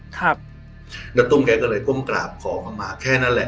ครับณตุ้มแกก็เลยก้มกราบขอเข้ามาแค่นั้นแหละ